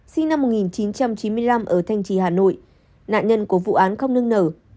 sinh năm một nghìn chín trăm chín mươi năm ở thanh trì hà nội nạn nhân của vụ án không nương nở